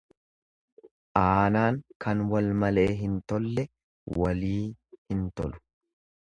Aanaan kan wal malee hin tolle walii hin tolu.